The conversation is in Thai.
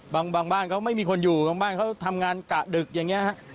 บางบ้านเขาไม่มีคนอยู่บางบ้านเขาทำงานกะดึกอย่างนี้ฮะ